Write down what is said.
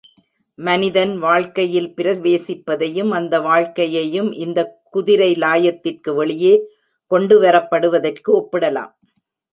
மனிதன் வாழ்க்கையில் பிரவேசிப்பதையும், அந்த வாழ்க்கையையும் இந்தக் குதிரை லாயத்திற்கு வெளியே கொண்டுவரப்படுவதற்கு ஒப்பிடலாம்.